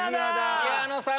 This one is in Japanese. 宮野さん